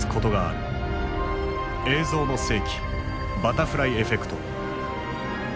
「映像の世紀バタフライエフェクト」。